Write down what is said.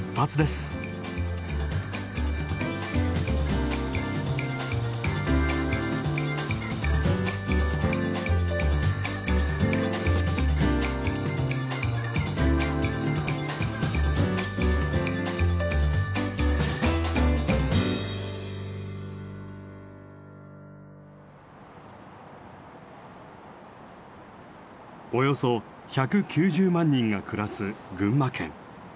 およそ１９０万人が暮らす群馬県。